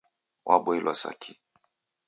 Waboilwa sa ki